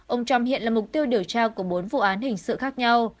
ông trump hiện là mục tiêu điều tra của bốn vụ án hình sự khác nhau